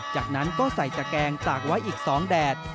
จากนั้นก็ใส่ตะแกงตากไว้อีก๒แดด